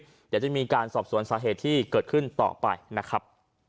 เดี๋ยวจะมีการสอบสวนสาเหตุที่เกิดขึ้นต่อไปนะครับ